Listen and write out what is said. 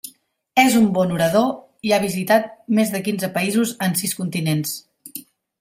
És un bon orador i ha visitat més de quinze països en sis continents.